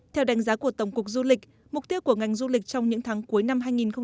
theo đánh giá của tổng cục du lịch mục tiêu của ngành du lịch trong những tháng cuối năm hai nghìn hai mươi